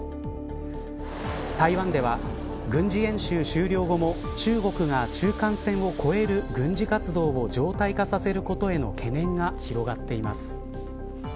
台湾では軍事演習終了後も中国が中間線を越える軍事活動を常態化させることへの懸念が広がっています。